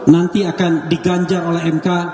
nanti akan diganjar oleh mk